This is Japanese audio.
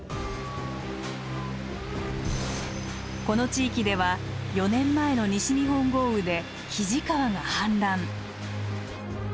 この地域では４年前の西日本豪雨で肱川が氾濫。